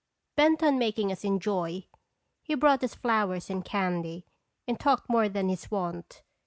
'" Bent on making us enjoy, he brought us flowers and candy, and talked more than his wont.